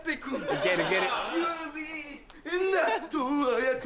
いける！